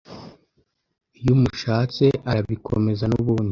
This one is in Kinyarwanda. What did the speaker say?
iyo umushatse arabikomeza nubundi